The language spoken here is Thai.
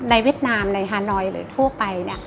เวียดนามในฮานอยหรือทั่วไป